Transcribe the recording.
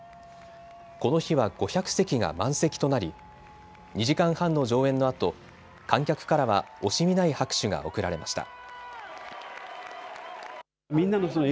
この日は５００席が満席となり、２時間半の上演のあと観客からは惜しみない拍手が送られました。